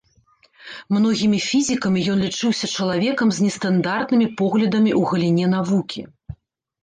Многімі фізікамі ён лічыўся чалавекам з нестандартнымі поглядамі ў галіне навукі.